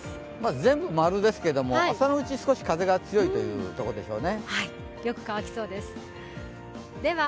全部○ですけど、朝のうち、少し風が強いというところでしょうね。